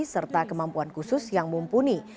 serta kemampuan khusus yang mumpuni